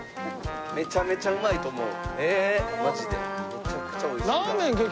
めちゃめちゃうまいと思うマジで。